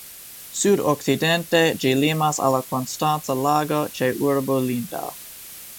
Sud-okcidente ĝi limas al la Konstanca Lago, ĉe urbo Lindau.